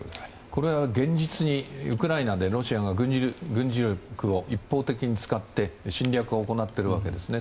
これは現実にウクライナでロシアが軍事力を一方的に使って侵略を行っているわけですね。